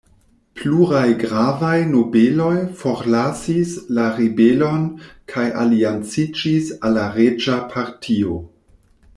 Pluraj gravaj nobeloj forlasis la ribelon kaj alianciĝis al la reĝa partio.